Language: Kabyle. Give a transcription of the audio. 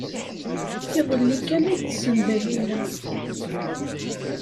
Iḍelli kan ay tessen Dalila.